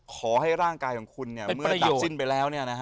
ขอให้ร่างกายของคุณเมื่อเสร็จสิ้นไปแล้ว